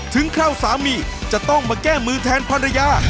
คราวสามีจะต้องมาแก้มือแทนภรรยา